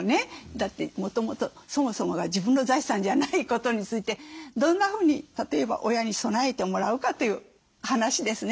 だってそもそもが自分の財産じゃないことについてどんなふうに例えば親に備えてもらうかという話ですね。